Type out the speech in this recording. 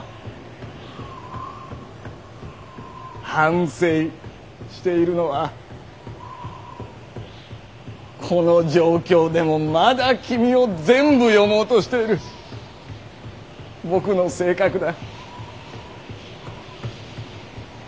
「反省」しているのはこの状況でもまだ君を全部読もうとしている僕の性格だ。